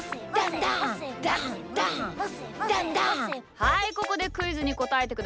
はいここでクイズにこたえてください。